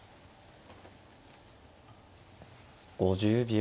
５０秒。